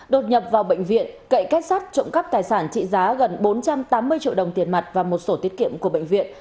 đột nhập vào bệnh viện cậy kết sát trộm cắp tài sản trị giá gần bốn trăm tám mươi triệu đồng tiền mặt và một sổ tiết kiệm của bệnh viện